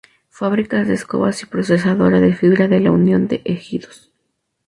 Fábrica de escobas y procesadora de fibra de la Unión de Ejidos.